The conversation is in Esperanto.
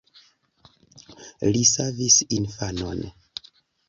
Li savis infanon.